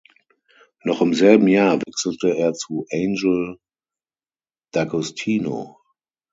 Noch im selben Jahr wechselte er zu Angel D’Agostino.